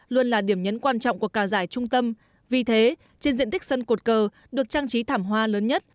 luôn là điểm nhấn quan trọng của cả giải trung tâm vì thế trên diện tích sân cột cờ được trang trí thảm hoa lớn nhất